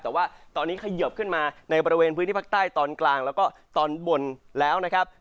แต่ว่าตอนนี้เขยิบขึ้นมาในบริเวณพื้นที่ภาคใต้ตอนกลางแล้วก็ตอนบนแล้วนะครับ